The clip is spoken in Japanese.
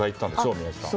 宮司さん。